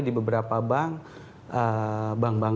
di beberapa bank sudah menerapkan sehingga masyarakat sekarang sudah mulai